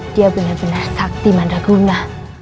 dia benar benar takdi mandaguna